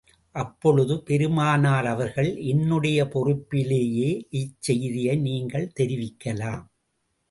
அப்பொழுது பெருமானார் அவர்கள், என்னுடைய பொறுப்பிலேயே இச்செய்தியை நீங்கள் தெரிவிக்கலாம்.